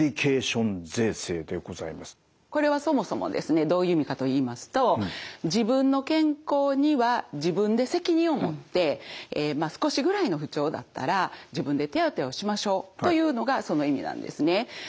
これはそもそもですねどういう意味かといいますと自分の健康には自分で責任を持って少しぐらいの不調だったら自分で手当てをしましょうというのがその意味なんですね。